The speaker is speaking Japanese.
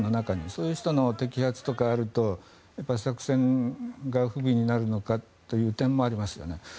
そういう人の摘発があるとやっぱり作戦が不利になるのかという点もありますよね。